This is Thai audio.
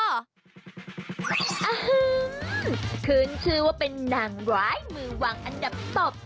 ขึ้นชื่อว่าเป็นนางร้ายมือวางอันดับตบ